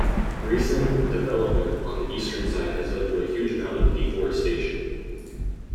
Recent 'development' on the eastern side has led to a huge amount of deforestation.